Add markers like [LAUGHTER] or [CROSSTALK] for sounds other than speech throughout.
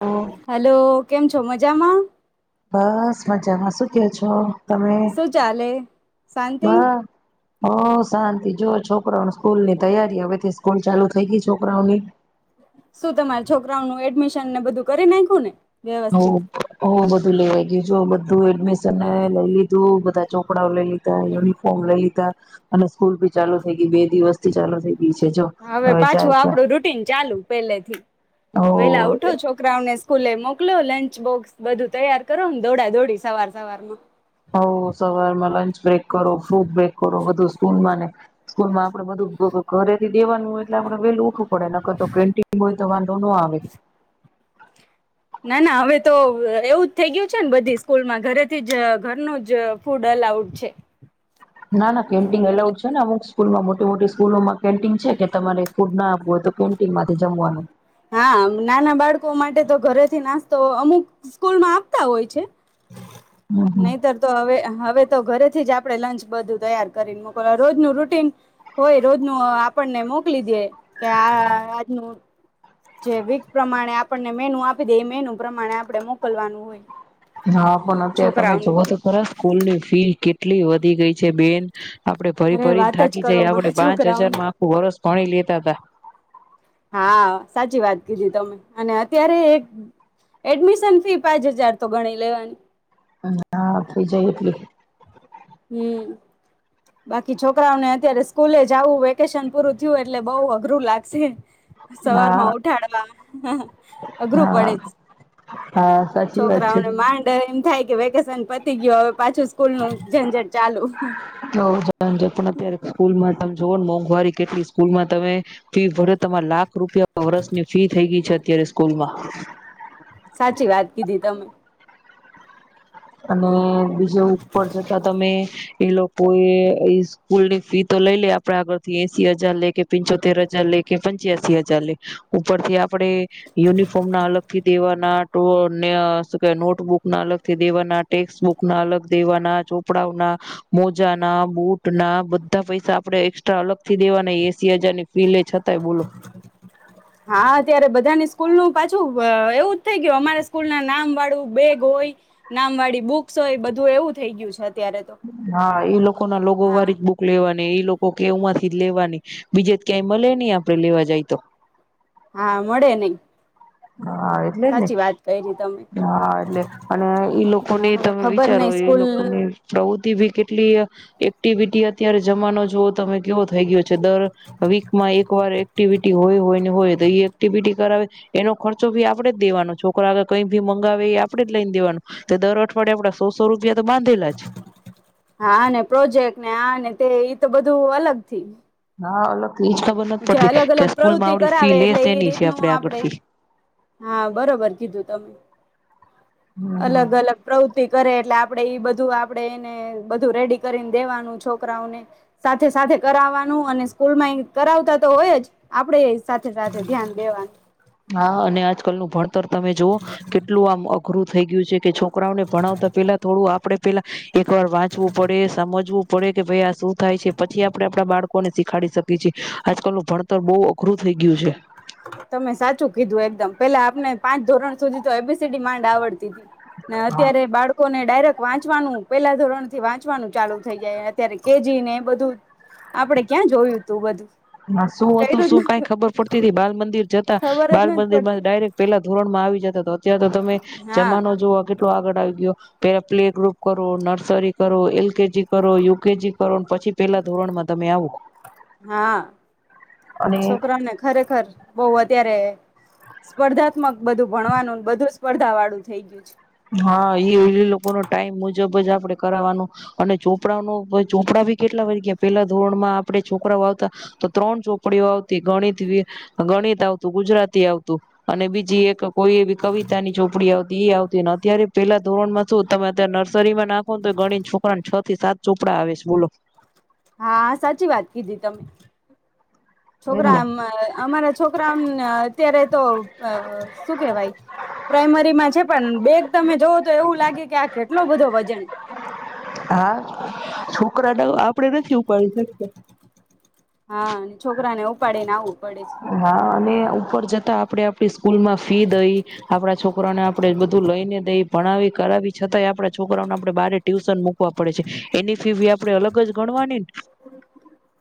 ઓ hello કેમ છે. છ મજામાં બસ મજામાં શું કે છો. તમે શું ચાલે શાંતિ હ શાંતિ જો છોકરાઓ સ્કૂલની તૈયારી હવેથી સ્કૂલ ચાલુ થઈ ગઈ છોકરાઓની શું તમારા છોકરાઓ નું એડમિશન ને બધું કરી નાખ્યું ને વ્યવસ્થિત બવ બધું લેવાય ગયુ. બધું એડમિશન લઈ લીધું બધા ચોપડાઓ લઈ લીધા યુનિોર્મ લઈ લીધા. અને સ્કૂલ ભી ચાલુ થઈ ગઈ બે દિવસ થી ચાલુ થઈ ગઈ છે જો હવે જાય પાછું છે આપડું રૂટીન ચાલુ પેલેથી ઓ વેલા ઉઠો છોકરાઓને સ્કૂલે મોક મોકલો લંચ બોક્સ બધું તૈયાર કરો ને દોડા દોડી સવાર સવાર માં હો સવારમાં ણ મને સ્કૂલમાં આપડે બધું ઘરે થી દેવાનું હોય એટલે આપડે વેલું ઉખું પડે નર તો પ્રેન્ટિંગ હોય તો વાંધો ન આવે ના ના હવે તો એવું જ થઈ ગયું છે ને બધી સ્કૂલમાં ઘરેથી જ ઘરનું જ ફૂડ અલાઉડ છે. ના ના કેમિંગ એટલે એલાઉડ છેને અમુકૂલમાં મોટી મોટી કોલોમાં પેન્ટિંગ છે કે તમારે ફૂરના [UNINTELLIGIBLE] ટીમમાંથી જમવાનું. હા નાના બાળકો માટે તો ઘરેથી નાસ્તો અમુક સ્કૂલમાં આપતા હોય છે. હમ હમ નહીતર તો અવે હવે તો ઘરેથી જ આપણે લંચ બધું તૈયાર કરીને મોકલવા, રોજનું રૂટીન હોય રોજનું આપણને મોકલી દ્યે. કે આ આજનું જે વીક પ્રમાણે આપણને મેનુ આપી દે એ મેનુ પ્રમાણે આપણે મોકલવાનું હોય. હા પણ અત્યારે તમે છોકરાઓને જોવ તો ખરા સ્કૂલની ફી કે ટલી વધી ગઈ છે બેન. આપડે ભરી અરે ભરીને વાત જ થાકી કરો જાય માં આપડણે પાંચ છોકરાઓને હજારમાં આખું વરસ ભણી લેતા હતા. હા સાચી વાત કીધી તમે અને અત્યારે એ એડમિશન ફી પાંચ હજાર તો ગણી લેવાની. હા થઈ જાય એટલી હમ્મ. બાકી છોકરાઓને અત્યારે સ્કૂલે જ આવું વેકેશન પૂરું થયું એટલે બઉુ અઘરું લાગશે. સવાર હા માં ઉઠાડવા અઘરું હા પડે જ હા સાચી વાત છે છોકરાઓને માંડ એમ થાય. કે વેકે સન પતી ગયો હવે પાછું સ્કૂલ નું ઝંઝર ચાલુ. સાજ પણ અત્યારે કૂલ. મન તમે જો ને મોંઘવારી કેટલી સ્કૂલમાં તમે ફી ભરે તમારે લાખ રૂપિયા વર્ષ ની ફી થઈ ગઈ છે અત્યારે. સ્કૂલમાં. સાચી વાત કીધી તમે. અને. બીજો ઉપર થતાં તમે એ લોકોએ ઈ સ્કૂલ ની ફી તો લઈ લે આપડા આગળ થી એસી હજાર લે કે પંચોતેર હજાર લે કે પંચ્યાસી હજાર લે ઉપર થી આપણે યુનિફોર્મ ના અલગ થી દેવાન ના ટોડ ને અ શુ કેવાય નોટબુક ના અલગથી. દેવાના ટેક્સ બુક ના અલગ દેવાના ચોપડાઓના મોજાના, બુટ ના બધા પૈસા આપડે એસ્ટ્રા અલગ થી દેવાના એસી હજારની ફીલે છ હા અત્યારે બધાની સ્કૂલ નું પાછું વ એવું જ થઇ ગયું અમારે સ્કૂલ ના નામ વાળું બેગ હોય નામ વાળી બુક્સ હોય બધું એવું થઈ ગયું છે. અત્યારે તો હા એ લોકો ના લોગો હા વાળી જ બુક લેવાની. ને એ લોકો કે એમાંથી જ લેવાની બીજે ક્યાંય મળે નહી આપડે લેવા જાય તો. હા મોડે નય. હા એટલે જ ને તમે હા એટલે અને ઈ લોકોને તમે ખબર વિચારો નહ એ સ્કૂલ લોકોને બહુ ટીવી કેટલી એક્ટિવિટી અત્યારે જમાનો જોવો તમે કેવો થઈ ગયો. જે દર વીક માં એક વાર એક એક્ટિવિટી હોય હોય ને હોય તો એક્ટિવિટી કરાવે. એનો ખર્ચો ભી આપડે જ દેવાનો છોકરા આગળ કઈ ભી મંગાવે એ આપડે જ લઈને દેવાનો તો દર અઠવાડે આપડા સોસો રૂપ હા અને પ્રોજેક્ટ ને આ ને તે ઈ તો બધું અલગથી. હા અલગ થી એજ ખબર નથી જે પડતી અલગ કે અલગ સ્કૂલમાં પ્રવૃતિ આવડી ફી કરાવે લેસ એટલે એ એની છે રીતનું આગળ આપડે ફી હા બરોબર કીધું તમે. હમ હમ અલગ અલગ પ્રવ કરે એટલે આપણેે એ બધું આપે એને બધું રેડી કરીને દેવાનું છોકરાઓને સાથે સાથે કરાવવાનું અને સ્કૂલમાં કરાવતા તો હોય જ આપડે એ સાથે સાથે ધ્યાન દેવાનું. હા અને આજકાલ નું ભણતર તમે જોુઓ કેટલું આમ અઘરું થઈ ગયું છે કે ોકરા ને ભણાવતા પેલા થોડું આપડણે પેલા એક વાર વાંચવું પડે સમજવું પડે કે ભાઈ આ શું થાય છે પછી આપડે આપડા બાળકોને શીખાડી શકીએ છીએ આજકાલ નું ભણતર બહુ અઘરું થઈ ગયું છે. તમે સાચું કીધું એકદમ પેલા આપને પાંચ ધોરણ સુધી તો એપેસિટી માંડ આવડ અત્યારે બાળકોને ડાયરેક વાંચવાનું પેલા ધોરણ થી વાંચવાનું ચાલુ થઈ જાય અત્યારે કેજી ને બધું આપણે ક્યાં જોયું તું બધું. હા શું હતું કર્યું શું જ કઈ નથી ખબર પડતી હતી બાલ મંદિર જતા ખબર જ બાલ નથી મંદિર માં પડતી. ડાયરેક્ટ પેલા ધોરણમાં આવી જ હતો. ત્યાં તો તમે હા જમાનો જો લો આગળ આવી ગયો પેલા પ્લે ગ્રુપ કરો નર્સરી કરો એલકેજી કરો યુકેજી કરો. પછી પેલા ધોરણમાં તમે આવો. હા અને છોકરાને ખરેખર બઉ અત્યારે સ્પર્ધાત્મક બધું ભણવાનું બધું સ્પર્ધા વાળું થઇ ગયું છે. હા એ લોકો ન ટાઈમ મુજબ જ આપડે કરાવવાનું અને ચોપડા ન ચોપડા ભી કેટલા વાર્ગયા પેલા ધોરણ માં આપડે ચોપરાઓ આવતા તો ત્રણ ચોપડીઓ આવ તે ગણિત ગણિત આવતું તો ગુજરાતી આવતું અને બીજી એક કોઈ એવી કવિતા ની ચોપડી આવતી તે આવ અત્યારે પેલા ધોરણમાં શું તમે અત્યારે નર્સરી માં નાખોને તો ગણી છોકરાને છ થી સાત ચોપડા આવેશ બોલો હા સાચી વાત કીધી તમે છોકરા એને આમ અમારા આમ છોકરાઓને અત્યારે અ તો શું કેવાય પ્રાઈમરીમાં છે પણ બે તમે જોવ તો એવું લાગે કે આ કેટલો બધો વજન હા, છોકરાને આપણેે નથી ઉપાડી શકતા હા છોકરા ને ઉપાડીને આવું. હા અને ઉપર જતા આપડે આપડી સ્કૂલ માં ફી દઈ, આપણા છોકરાને આપડે બધું લઈને દઈ ભણાવી કરાવી છતાંય આમ આપણા છોકરાઓને આપણે બારે ટ્યુ મૂકવા પડે છે, એની ફી બી આપડે અલગ જ ગણવાની ન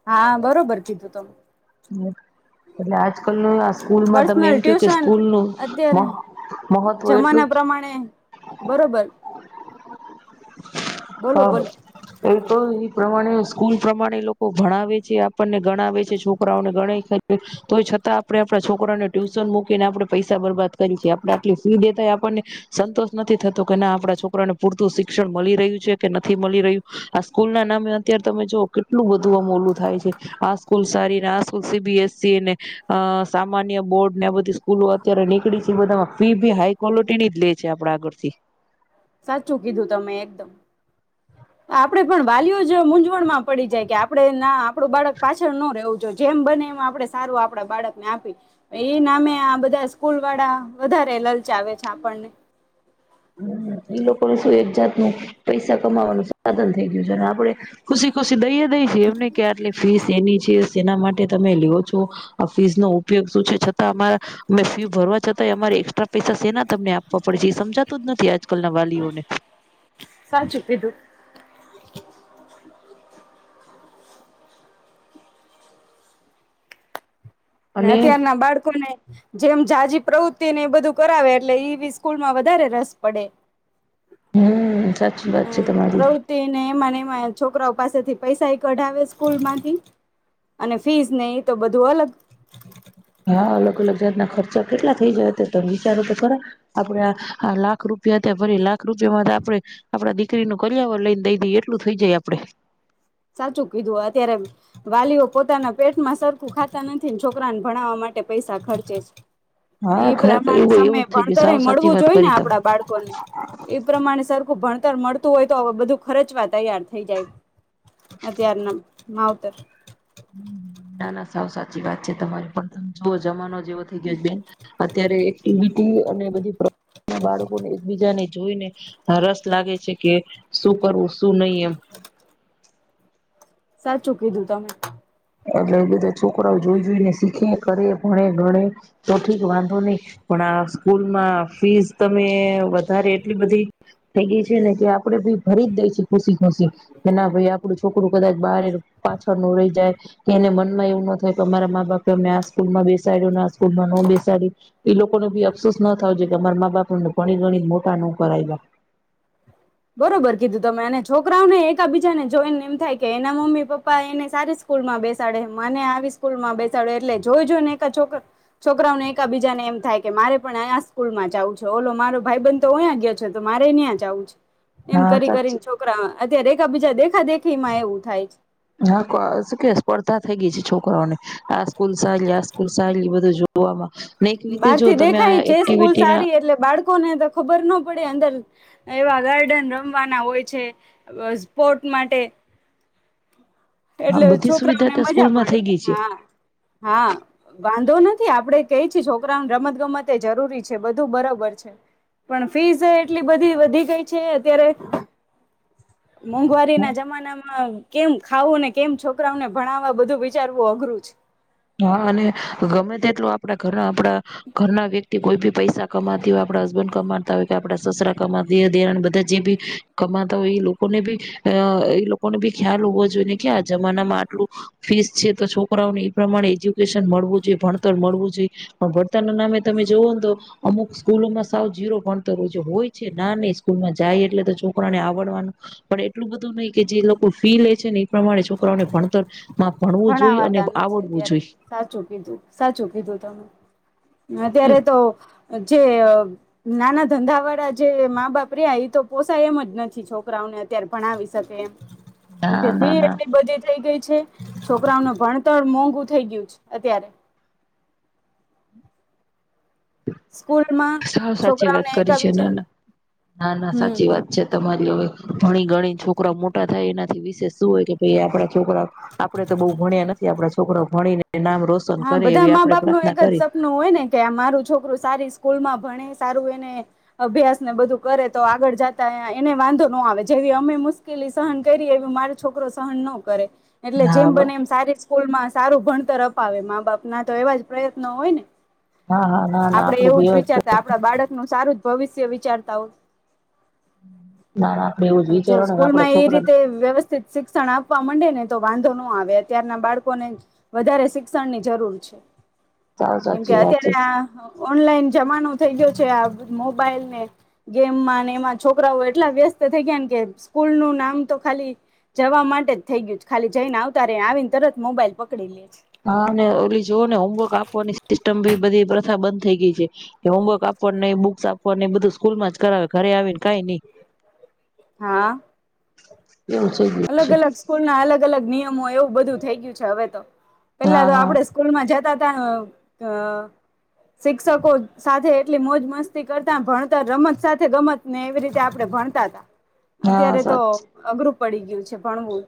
હા, બરોબર કીધું તમે. [UNINTELLIGIBLE] આલ આ સ્કૂલમાં તમે પર્સનલ એમ ક્યો કે, ટ્યુશન સ્કૂલનું અત્યારે મહ મહત્વ એટલું જમાના [INAUDIBLE] પ્રમાણે બરોબર બોલો હા, બોલો એ તો પ્રમાણે સ્કૂલ પ્રમાણે લોકો ભણાવે છે, આપણને ગણાવે છે, છોક છોકરાઓને ગણાય તો છતાં આપણે આપણા છોકરાને ટ્યુશન મૂકીને આપણે પૈસા બરબાદ કરી [UNINTELLIGIBLE] આપણે આટલી ફી દેતા આપણને સંતોષ નથી થતો કે ના આપડા છોકરાને પૂરતું શિક્ષણ મળી રહ્યું છે, કે નથી મળી રહ્યું આ સ્કૂલ ના નામે અત્યારે તમે જો [UNINTELLIGIBLE] મોલું થાય છે, આ કુલસારી [UNINTELLIGIBLE] સીબીએસસી ને અ સામાન્ય બોર્ડ ને આ બધી સ્કૂલો અત્યારે નીકળી છે, બધામાં ફી ભી હાઈ ક્વોલિટી [UNINTELLIGIBLE] છે, આપડ આગળથી સાચું કીધું તમે એકદમ આપડે પણ વાલીઓ જ મૂંઝવણમાં પડી જાય કે [UNINTELLIGIBLE] ના આપડું બાળક પાછળ ન રવું જો જેમ બને એમ આપડે સારું આપણા બાળકને આપી એ નામે આ બધા સ્કૂલ વાળા વધારે લલચાવે છે, આપણને એ લોકોને શું એક જાત નું પૈસા કમાવાનું સાધન થઈ ગયું છે, અને આપડે ખુશી ખુશી દઈએ [INAUDIBLE] એટલે ફીસ એની છે. તેના માટે તમે લેવો છો આ ફીઝ નો ઉપયોગ શું છે, છતાં અમારા અમે ફી ભરવા છતાંય અમારે એક્સ્ટ્રા પૈસા સેના તમને આપવા પડે એ સમજા નથી આજ નકલ ન વાઓને સાચું કીધું ને અને અત્યાર ના બાળકોને, જેમ જાઝાજી પ્રવૃત્તિ ને એ બધું કરાવે એટલે એ [UNINTELLIGIBLE] સ્કૂલ માં વધારે રસ પડે. હમ સાચી વાત છે હમ તમારી પ્રવૃતિ નને મનેમાં છોકરાઓ પાસેથી પૈસા કઢાવે સ્કૂલ માંથી, અને ફીસ નહી તો બધું અલગ. હા અલગ અલગ જાતના ખર્ચા કેટલા થઈ જાય તમે વિચારો તો ખરા આપડે લાખ રૂપિયા ત્યાં ફરી લાખ રૂપિયામાં આપણે, આપ દ દીકરી નું કર્યા વર લઈને દઈ દઈ એટલું થઈ જાય આપડે સાચું કીધું અત્યારે, વાલીઓ પોતાના પેટમાં સરખું ખાતા નથી છોકરાને ભણાવવા માટે પૈસા ખર્ચે છે. હા એ ખરેખર પ્રમાણે એવું સમય એવું જ થઈ ગયું ભણતરે સાવ સાચી મળવું જો વાત હોઈ ને કરી તમે આપડા બાળકોને એ પ્રમાણે સર ભણતર મળતું હોય તો બધું ખર્ચવા તૈયાર થઈ જાય. અધ્યારણ માઉતર ના ના સાવ સાચી વાત છે તમારી પણ તમે જોુઓ જમાનો જેવો થઈ ગયો બેન, અત્યારે અને બધી બાળકો ને એકબીજા ને જોઈને રસ લાગે છે, કે શું કરવું શું નહી એવું સાચ કીધું તમે એટલે બધા છોકરાઓ જોઈ જોઈને શીખે કરે ભણે ગણે તો ઠીક વાંધો નહી પણ આ સ્કૂલમાં ફીસ તમે વધારે એટલી બધી થઈ ગઈ છે ને કે આપડે ભી ભરી જ દઈ છે ખુશી ખુશી કે ના ભાઈ આપડું છોકરું કદાચ બહાર પાછળ નું રહી જાય એને મનમાં એવું ન થાય કે અમારા મા બાપે અમે આ સ્કૂલમાં બેસાડો ના બેસાડી એ લોકોને બી અફસોસ ના થ કે અમાર મા બાપ ઘણી ગણી મોટા નોક્યા બરોબર કીધું તમે અને છોકરાઓને એકા બીજાને જોઈને એમ થાય કે એના મમ્મી પપ્પા એને સારી સ્કૂલમાં બેસાડે મને આવી સ્કૂલ માં બેસાડે એટલે જોઈજ ને એકોકરા છોકરાઓને એક બીજાને એમ થાય કે મારે પણ આ સ્કૂલમાં જવું છે ઓલો મારો ભાઈ બંધ તો અયા ગયો છે તો મારે ત્યાં જાવું છે એમ હા કરી સાચી કરીને છોકરામાં અત્યારે બીજા દેખા દેખી માં એવું થાય છે હા શું કે સ્પર્ધા થઈ ગઈ છે છોકરોને આ સ્કૂલ સારી આ સ્કૂલ સારી બધ જોવામાં ને એક રીતે બહાર જો થી તમે દેખાય આ જે સ્કૂલ એક્ટિવિટી ના સારી એટલે બાળકો ને ખબર ના પડે અંદર એવા ગાર્ડન રમવાના હોય છે સ્પોર્ટ માટે એટલે બધી સુવિધા છોકરાઓને ત્યાં મજા સ્કૂલમાં પડે થઈ ગઈ છે હા હા વાંધો નથી આપડે કઈ છે છોકરાને રમત ગમત એ જરૂરી છે બધું બરોબર છે પણ ફીઝ એટલી બધી વધી ગઈ છે અત્યારે મોંઘવારીના જમાનામાં કેમ ખાવું ને કેમ છોકરાઓને ભણાવવા બધું વિચારવું અઘરું જ હા અને ગમે તેટલું આપડા ઘરના આપડા ઘરના વ વ્યક્તિ કોઇ દી પૈસા કમાતી હો આપડા હસબન્ડ કમાતા હોય કે આપડા સસરા કમાતી દિણ બધા જે ભી કમાતા હોય એ લોકોને બી અ એ લોકોને બી ખ્યાલ હોવો જોઈએ ને કે આ જમાનામાં આટલું ફીસ છે તો છોકરાઓને પ્રમાણે એજ્યુકેશન મળવું જોઈએ ભણતર મળવું જોઈએ પણ ભણતરના નામે તમે જોવઓ ને તો અમુક સ્કૂલોમાં સાવ જીરો ભણતર હો હોય છે ના નહ સ્કૂલમાં જાય એટલે તો છોકરાને આવડવાનું પણ એટલું બધું નહિ કે જે લોકો ફી લે છે ને પ્રમાણે છોકરાઓને ભણતર મા ભણવું જોઈએ અને આવડવું જોઈએ ત્યારે સાચું કીધું સાચું કીધું તમે. અત્યારે તો જે અ નાના ધંધાવાળા જે મા બાપ રહ્યા એ તો પોષાય એમ જ નથી છોકરાઓને અત્યારે ભણાવી શકે એમ. કે ના ના ફી ના એટલી બધી થઇ ગઈ. છે. છોકરાઓનું ભણતર મોંઘું થઈ ગયું છે અત્યારે. સ્કૂલમાં સાવ સાચી વાત છોકરાઓને કરી એકા છે બીજા નાના ના ના હમ સાચી વાત છે તમારી. હવે ભણી ગણીને છોકરાઓ મોટા થાય એનાથી વિશેષ શું હોય કે ભાઈ આપડ છોકરાઓ આપડે તો બહુ ભણ્યા નથી. આપડા છોકરાઓ છોકરોઓ ભણીને નામ રોશન હા કરે બધા એવી મા આપડે બાપનું પ્રાર્થના એક જ કરી સપનું હોય ને કે આ મારું છોકરું સારી સ્કૂલમાં ભણે સારું એને અભ્યાસને બધું કરે તો આગળ જતા એને વાંધો ન આવે જેવી અમે મુશ્કેલી સહન કઈરી એવી મારો છોકરો સહન ન કરે. એટલે હા જેમ બ બને એમ સારી સ્કૂલમાં સારું ભણતરફ અપાવે મા બાપના તો એવા જ પ્રયત્નો હોય ને. હા હા ના ના આપડે એવું બી જ વિચારતા આપણા બાળકનું સારું જ ભવિષ્ય વિચારતાઓ ના આપડે એવું જ જો વિચારવાનું સ્કૂલમાં આપડા એ છોકરાને રીતે વ્યવસ્થિત શિક્ષણ આપવા મંડે ને તો વાંધો ન આવે અત્યારના બાળકોને વધારે શ શિક્ષણની જરૂર છે. સાવ કેમ કે સાચી વાત છે અત્યારે આ ઓનલાઈન જમાનો થઇ ગયો છે આ મોબાઈલ ને ગેમમાં ને એમાં છોકરાઓ એટલા વ્યસ્ત થઇ ગયા ને કે સ્કૂલનું નામ તો ખાલી જવા માટે જ થઇ ગયું છે ખાલી જઈને આવતા આવીને તરત મોબાઈલ પકડી લે છે. હા ને ઓલી જોઓ ને હોમવર્ક આપવાની સિસ્ટમ ભી બધી પ્રથા બંધ થઈ ગઈ છે કે હોમવર્ક આપવાનું ન બુક્સ આપવાનું બધું સ્કૂલમાં જ કરાવે ઘરે આવીને કઈ નહી. હા. થઈ ગયું છે અલગ-અલગ સ્કૂલના અલગ અલગ-અલગ નિયમો હોય એવું બધું થઈ ગયું છે હવે તો. પેલા હા તો હા આપડે સ્કૂલમાં જતા હતા અ શિક્ષકો સાથે એટલી મોજ મસ્તી કરતા ભણતા રમત સાથે ગમત ને એવી રીતે આપણે ભણતા તા. હા અત્યારે તો સાચી અગરુ પડી ગયું છે ભણવું.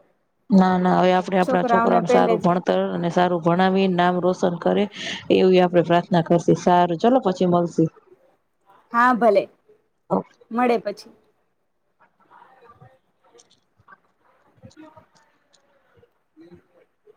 ના ના હવે આપણે આપણા છોકરાઓને છોકરાને પેલે સારું જ ભણતર અને સારું ભણાવી નામ રોશન કરે એવી આપડે પ્રાર્થના કરશી સારું ચલો પછી મળશી. હા ભલે મળે પછી હમ